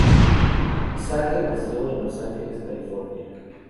Sage nació en Los Ángeles, California.